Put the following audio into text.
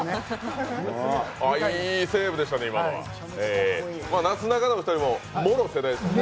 いいセーブでしたね、今のはなすなかの２人も、もろ世代ですもんね？